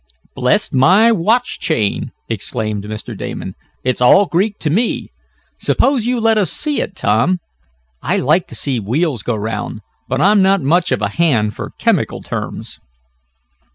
"Bless my watch chain!" exclaimed Mr. Damon. "It's all Greek to me. Suppose you let us see it, Tom? I like to see wheels go 'round, but I'm not much of a hand for chemical terms."